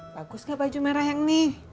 bagus gak baju merah yang nih